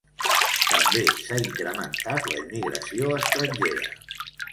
També s'ha incrementat la immigració estrangera.